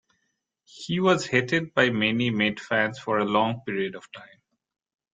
He was hated by many Met fans for a long period of time.